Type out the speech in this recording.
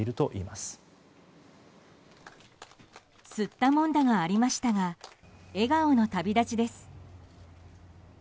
すったもんだがありましたが笑顔の旅立ちです。